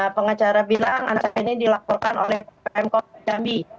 pengacara bilang anak saya ini dilaporkan oleh pemkop jambi